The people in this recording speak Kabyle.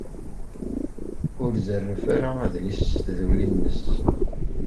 Ur zerref ara adlis s tduli-nnes.